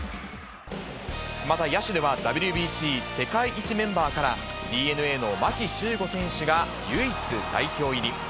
また野手ではＷＢＣ世界一メンバーから、ＤｅＮＡの牧秀悟選手が唯一代表入り。